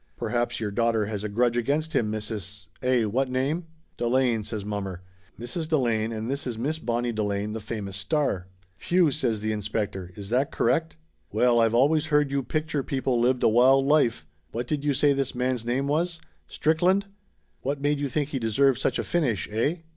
"Perhaps your daughter has a grudge against him, Mrs. eh, what name?" "Delane!" says mommer. "Mrs. Delane and this is Miss Bonnie Delane, the famous star." "Whew!" says the inspector. "Is that correct? Laughter Limited 309 Well, I've always heard you picture people lived a wild life. What did you say this man's name was? Strick land ? What made you think he deserved such a finish eh?"